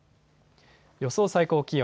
予想最高気温。